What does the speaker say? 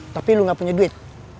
tapi lu gak punya duit